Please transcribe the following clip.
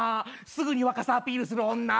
すぐに若さアピールする女！